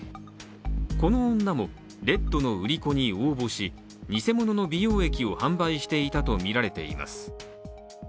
この女も、ＲＥＤの売り子に応募し偽物の美容液を販売していたとみられています